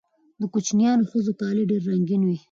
د کوچیانیو ښځو کالي ډیر رنګین وي.